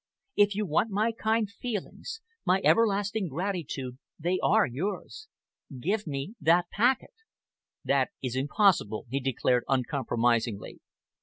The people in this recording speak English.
"If you want my kind feelings, my everlasting gratitude, they are yours. Give me that packet." "That is impossible," he declared uncompromisingly.